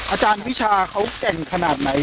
อาจารย์วิชาเขาแก่งขนาดไหน